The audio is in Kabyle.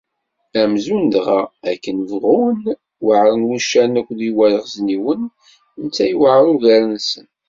Amzun dɣa, akken bɣun weɛṛen wuccanen akked yiwaɣzniwen, netta iwɛaṛ ugar-nsen.